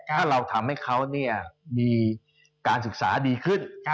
ถ้าเราทำให้เขามีการศึกษาดีขึ้น